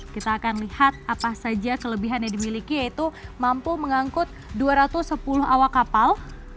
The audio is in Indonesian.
kita akan lihat apa saja kelebihan yang dimiliki yaitu mampu mengangkut dua ratus sepuluh awak kapal